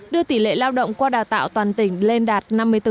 đưa tỷ lệ lao động qua đào tạo toàn tỉnh lên đạt năm mươi bốn